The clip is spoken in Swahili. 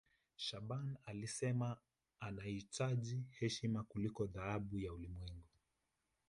shaaban alisema anahitaji heshima kuliko dhahabu ya ulimwengu